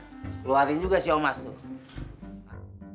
keluarin juga si yomas tuh